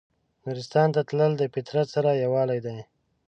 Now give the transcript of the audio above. نورستان ته تلل د فطرت سره یووالی دی.